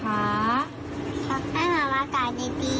ทำให้มาม่ากับดิดดิ